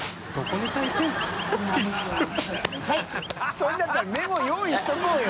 それだったらメモ用意しとこうよ。